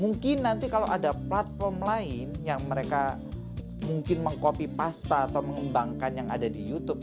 mungkin nanti kalau ada platform lain yang mereka mungkin meng copy pasta atau mengembangkan yang ada di youtube